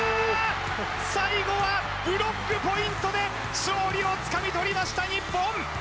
最後はブロックポイントで勝利をつかみとりました、日本！